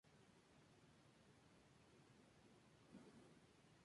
Tuvieron cinco hijos Lily Jane, Charlotte, Margaret, Elizabeth, y John Colin Alexander.